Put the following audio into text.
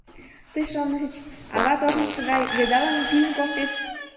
Тый шонышыч, ават ожнысо гай йыдалым пидын коштеш?